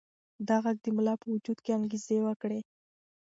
دا غږ د ملا په وجود کې انګازې وکړې.